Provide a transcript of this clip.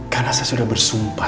karena saya sudah bersumpah